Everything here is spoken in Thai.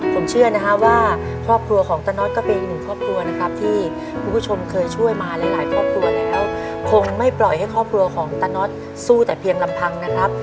ผมเชื่อนะฮะว่าครอบครัวของตาน็อตก็เป็นอีกหนึ่งครอบครัวนะครับที่คุณผู้ชมเคยช่วยมาหลายครอบครัวแล้วคงไม่ปล่อยให้ครอบครัวของตาน็อตสู้แต่เพียงลำพังนะครับ